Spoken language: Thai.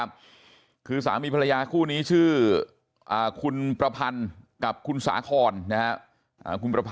ครับคือสามีภรรยาคู่นี้ชื่อคุณประพันธ์กับคุณสาคอนนะครับ